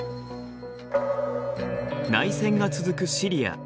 内戦が続くシリア。